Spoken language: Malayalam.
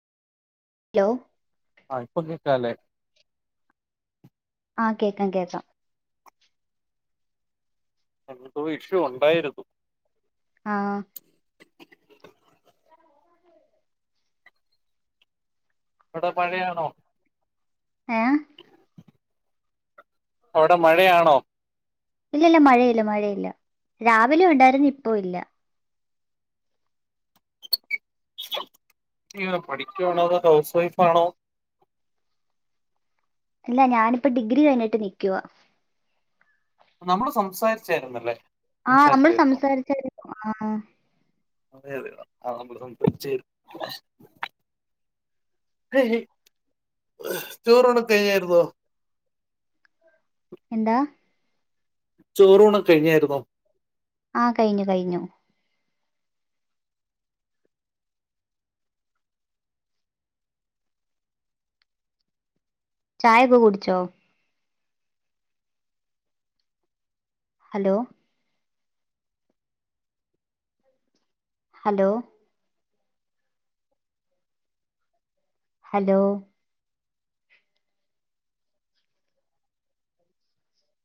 ലോ ആഹ ഇപ്പൊ കേക്കാലേ ആഹ് കേക്ക കേക്കാം എന്തോ ഇഷ്യു ഉണ്ടായിരുന്നു ആഹ ഇവിടെ പഴയയാണോ ഏ അവിടെ മഴയാണോ ഇല്ല ഇല്ല മഴയില്ല മഴയില്ല രാവിലെയ ഉണ്ടായിരുന്നു ഇപ്പ ഇല്ല ഇ പഠിക്കുവാണ ഹൗസ് വൈഫ്ാണോ അല്ല ഞാനിപ്പ ഡിഗ്രി കഴിഞ്ഞിട്ട് നിക്കവാ നമ്മള് സംസാരിച്ചായിുന്നല്ലേ ആഹ നമ്മൾ സംസാരിച്ചായിരുന്നു ആ അതെ അതെയ ആ നമ്മൾ സംസാരിച്ച ചോറ്ണ കഴിഞ്ഞായിരുന്നോ എന്താ ചോറൂണം കഴിഞ്ഞായിരുന്നോ ആഹ കഴിഞ്ഞു കഴിഞ്ഞു ചായൊക്കെ കുടിച്ചോ ഹലോ ഹലോ ഹലോ